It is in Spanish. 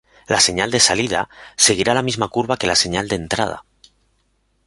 La señal de salida seguirá la misma curva que la señal de entrada.